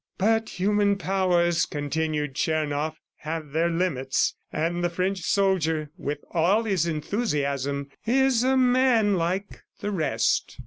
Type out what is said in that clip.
... "But human powers," continued Tchernoff, "have their limits, and the French soldier, with all his enthusiasm, is a man like the rest.